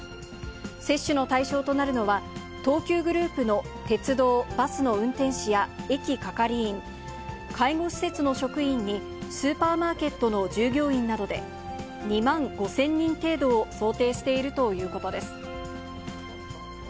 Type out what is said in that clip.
接種の対象となるのは、東急グループの鉄道、バスの運転士や駅係員、介護施設の職員に、スーパーマーケットの従業員などで、２万５０００人程度を想定しているということです。